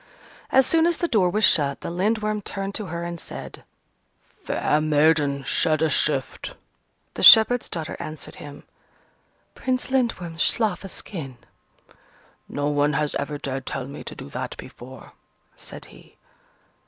As soon as the door was shut, the Lindworm turned to her and said, "Fair maiden, shed a shift!" The shepherd's daughter answered him, "Prince Lindworm, slough a skin!" "No one has ever dared tell me to do that before!" said he.